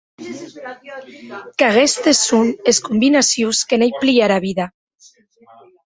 Qu’aguestes son es combinacions que n’ei plia era vida.